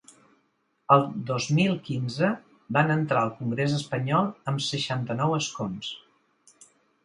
El dos mil quinze van entrar al congrés espanyol amb seixanta-nou escons.